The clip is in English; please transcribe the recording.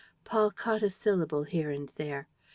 Paul caught a syllable here and there.